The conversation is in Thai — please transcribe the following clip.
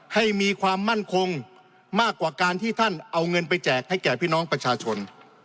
ให้มีความมั่นคงมากกว่าการที่ท่านเอาเงินไปแจกให้แก่พี่น้องประชาชน